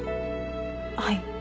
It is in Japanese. はい。